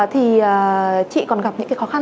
thì chị còn gặp những cái khó khăn